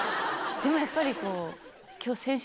でもやっぱりこう。